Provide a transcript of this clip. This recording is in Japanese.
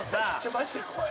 マジで怖い。